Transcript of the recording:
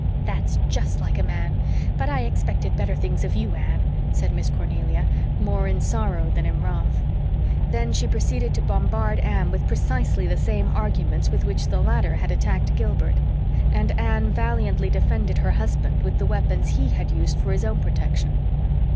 "That's just like a man. But I expected better things of you, Anne," said Miss Cornelia, more in sorrow than in wrath; then she proceeded to bombard Anne with precisely the same arguments with which the latter had attacked Gilbert; and Anne valiantly defended her husband with the weapons he had used for his own protection.